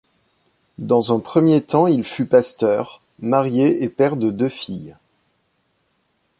Dans un premier temps il fut pasteur, marié et père de deux filles.